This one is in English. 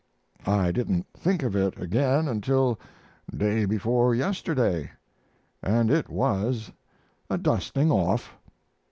I didn't think of it again until day before yesterday, and it was a "dusting off."